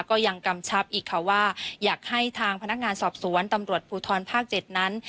กำชับอีกค่ะว่าอยากให้ทางพนักงานสอบสวนตำรวจภูทรภาค๗นั้น